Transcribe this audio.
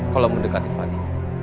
kalau mendekati fadi